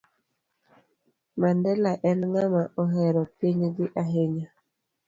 Mandela en ng'ama ohero pinygi ahinya